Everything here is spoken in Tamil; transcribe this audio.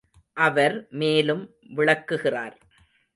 அவர் மேலும் விளக்குகிறார்.